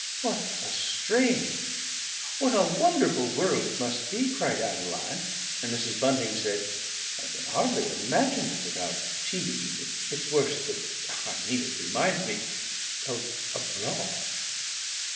"What a strange what a wonderful world it must be!" cried Adeline. And Mrs. Bunting said: "I can hardly imagine it without tea. It's worse than I mean it reminds me of abroad."